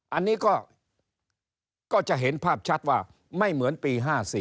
อันนี้ก็จะเห็นภาพชัดว่าไม่เหมือนปี๕๔